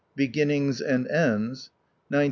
Beginnings and Ends. 1912.